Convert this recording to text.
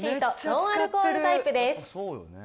ノンアルコールタイプです。